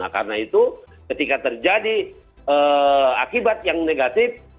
karena itu ketika terjadi akibat yang negatif